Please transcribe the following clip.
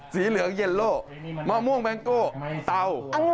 สีเหลืองเย็นโลมะม่วงแบงโก้เตา